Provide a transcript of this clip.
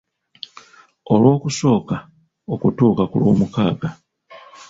Olwokusooka okutuuuka ku Lwomukaaga